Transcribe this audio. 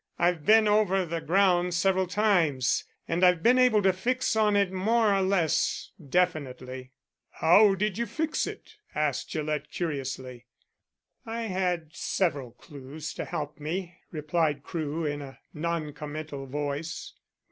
"I've been over the ground several times, and I've been able to fix on it more or less definitely." "How did you fix it?" asked Gillett curiously. "I had several clues to help me," replied Crewe, in a non committal voice.